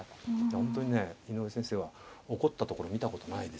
本当にね井上先生は怒ったところ見たことないですね。